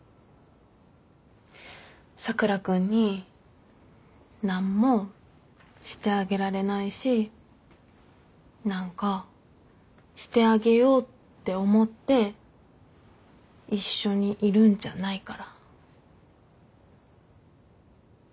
佐倉君に何もしてあげられないし何かしてあげようって思って一緒にいるんじゃないから。